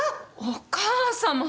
お母さま！？